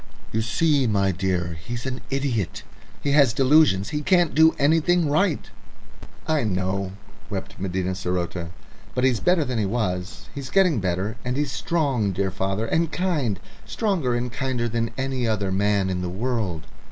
"You see, my dear, he's an idiot. He has delusions; he can't do anything right." "I know," wept Medina saroté. "But he's better than he was. He's getting better. And he's strong, dear father, and kind stronger and kinder than any I other man in the world.